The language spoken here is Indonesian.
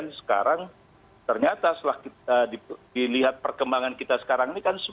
nah dan sekarang ternyata setelah kita dilihat perkembangan kita sekarang ini kan